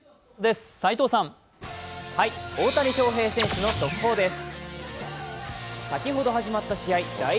大谷翔平選手の速報です。